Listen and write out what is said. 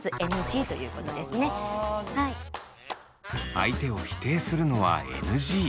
相手を否定するのはＮＧ。